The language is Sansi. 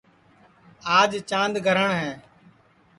آج چاند گرہٹؔ ہے